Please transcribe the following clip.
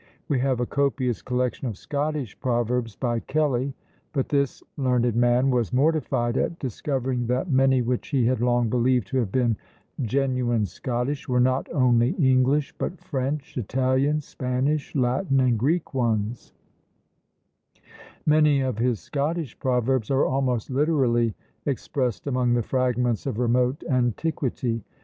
We have a copious collection of Scottish proverbs by Kelly, but this learned man was mortified at discovering that many which he had long believed to have been genuine Scottish, were not only English, but French, Italian, Spanish, Latin, and Greek ones; many of his Scottish proverbs are almost literally expressed among the fragments of remote antiquity.